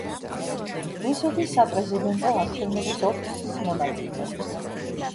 რუსეთის საპრეზიდენტო არჩევნების ოთხგზის მონაწილე.